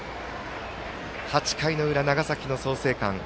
８回の裏、長崎の創成館